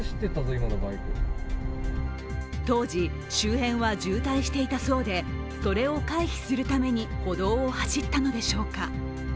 当時、周辺は渋滞していたそうでそれを回避するために歩道を走ったのでしょうか。